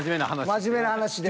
真面目な話で。